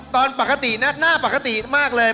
ตอนปกติหน้าปกติมากเลย